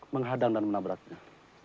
menghadang dan menabraknya